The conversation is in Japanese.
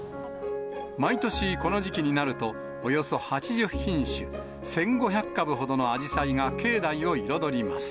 毎年この時期になると、およそ８０品種、１５００株ほどのあじさいが境内を彩ります。